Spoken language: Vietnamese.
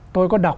tôi có đọc